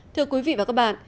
thưa quý vị và các bạn